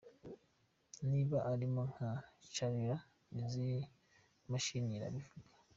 Niba arimo nka Cholera izi mashini irabivuga.